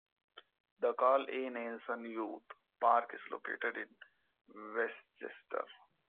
The Carl E. Nielsen Youth Park is located in Westchester.